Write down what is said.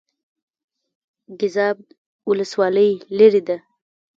ګیزاب ولسوالۍ لیرې ده؟